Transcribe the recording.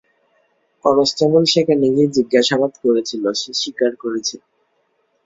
Constable সেখানে গিয়ে জিজ্ঞাসাবাদ করেছিল সে স্বীকার করেছে।